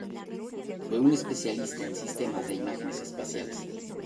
Fue un especialista en sistemas de imágenes espaciales.